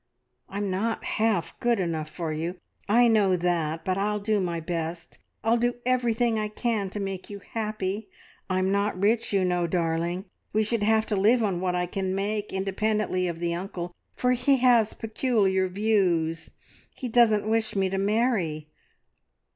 I'm not half good enough for you, I know that, but I'll do my best. I'll do everything I can to make you happy. I'm not rich, you know, darling; we should have to live on what I can make independently of the uncle, for he has peculiar views. He doesn't wish me to marry."